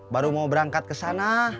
baru mau berangkat kesana